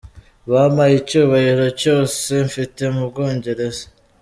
"Bampaye icyubahiro cyose mfite mu Bwongereza.